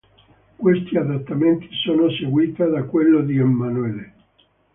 Questi adattamenti sono seguita da quello di "Emmanuelle".